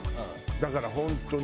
だから本当ね